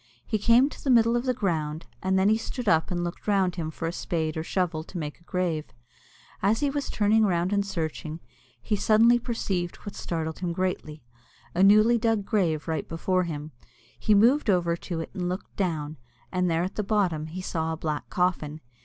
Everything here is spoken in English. He came to the middle of the ground, and then stood up and looked round him for a spade or shovel to make a grave. As he was turning round and searching, he suddenly perceived what startled him greatly a newly dug grave right before him. He moved over to it, and looked down, and there at the bottom he saw a black coffin.